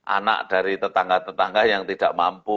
anak dari tetangga tetangga yang tidak mampu